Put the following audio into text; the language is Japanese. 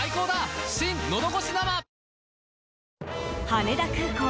羽田空港。